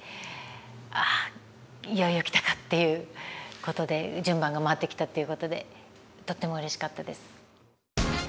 あいよいよ来たか！っていうことで順番が回ってきたっていうことでとってもうれしかったです。